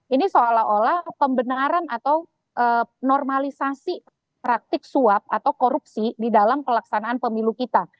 ini seolah olah pembenaran atau normalisasi praktik suap atau korupsi di dalam pelaksanaan pemilu kita